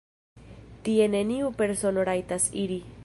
Tie neniu persono rajtas iri.